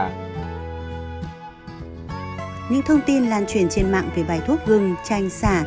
những thông tin lan truyền trên mạng về bài thuốc gừng chanh sả